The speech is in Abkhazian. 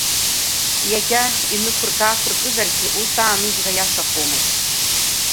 Иагьа инықәыркы-аақәыркызаргьы ус ааныжьра иашахомызт.